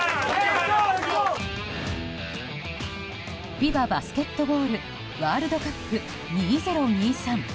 ＦＩＢＡバスケットボールワールドカップ２０２３。